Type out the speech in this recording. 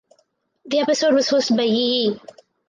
The episode was hosted by Yi Yi.